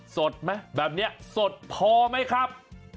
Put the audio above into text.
สดไหมแบบนี้สดพอไหมครับ